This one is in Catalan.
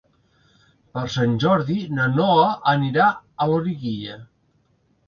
Per Sant Jordi na Noa anirà a Loriguilla.